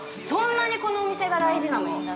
そんなにこのお店が大事なの？